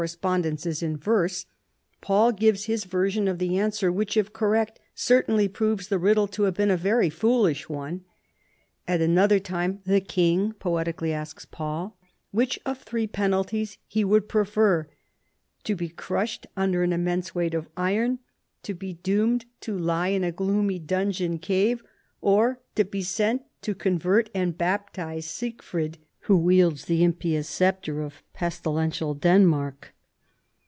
spondence is in verse) Paul gives bis version of the answer, which, if correct, certainly proves the riddle to have been a very foolish one. At another time the king poetically asks Paul which of three penal ties he would prefer — to be crushed under an im ,mense weight of iron, to be doomed to lie in a gloomy dungeon cave, or to be sent to convert and baptize Sigfrid who " wields the impious sceptre of pestilential Denmark."